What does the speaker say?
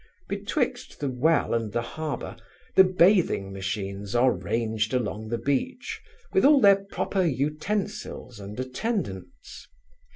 Betwixt the well and the harbour, the bathing machines are ranged along the beach, with all their proper utensils and attendants.